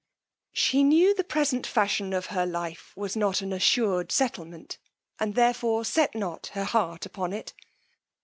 She knew the present fashion of her life was not an assured settlement, and therefore set not her heart upon it.